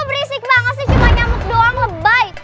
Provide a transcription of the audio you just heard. berisik banget sih cuma nyamuk doang lebay